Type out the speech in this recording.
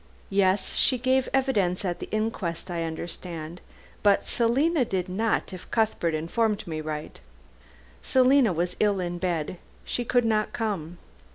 "Yes. She gave evidence at the inquest I understand. But Selina did not, if Cuthbert informed me rightly." "Selina was ill in bed. She could not come.